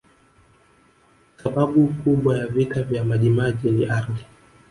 sababu kubwa ya vita vya majimaji ni ardhi